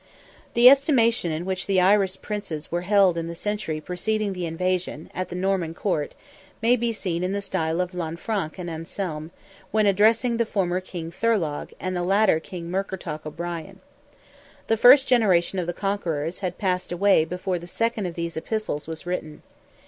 The estimation in which the Irish Princes were held in the century preceding the invasion, at the Norman Court, may be seen in the style of Lanfranc and Anselm, when addressing the former King Thorlogh, and the latter King Murkertach O'Brien. The first generation of the conquerors had passed away before the second of these epistles was written.